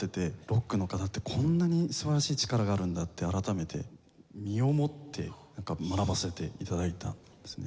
ロックの方ってこんなに素晴らしい力があるんだって改めて身をもって学ばせて頂いたんですね。